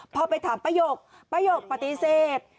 พอไปถามประหยกประหยกปฏิเสษ